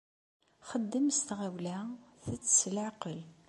Xeddem s tɣawla, ttett s leɛqel.